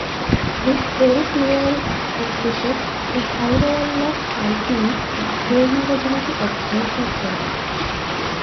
This very clearly establishes the high level of seismic vulnerability of the region.